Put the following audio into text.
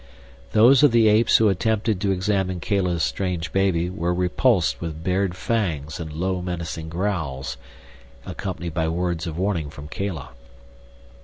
Those of the apes who attempted to examine Kala's strange baby were repulsed with bared fangs and low menacing growls, accompanied by words of warning from Kala.